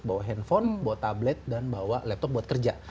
bawa handphone bawa tablet dan bawa laptop buat kerja